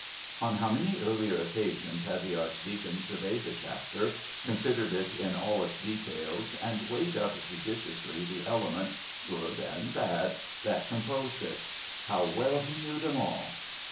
On how many earlier occasions had the Archdeacon surveyed the Chapter, considered it in all its details and weighed up judiciously the elements, good and bad, that composed it. How well he knew them all!